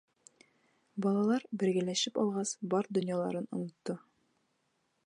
Балалар, бергәләшеп алғас, бар донъяларын онотто.